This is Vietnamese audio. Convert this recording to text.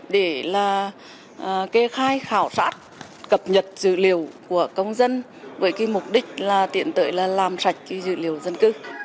để là kê khai khảo sát cập nhật dữ liệu của công dân với cái mục đích là tiện tợi là làm sạch dữ liệu dân cư